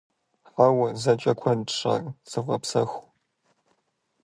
Хьэуэ, зэкӀэ куэдщ ар. Зывгъэпсэху.